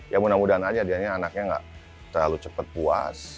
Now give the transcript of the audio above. ya mudah mudahan aja dianya anaknya nggak terlalu cepat puas